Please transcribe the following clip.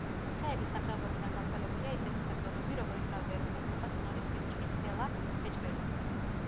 ხეების სახეობებიდან გავრცელებულია ისეთი სახეობები, როგორიცაა ვერხვი, მუხა, წნორი, კვრინჩხი, თელა, ხეჭრელი.